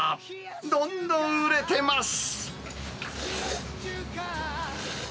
どんどん売れてます。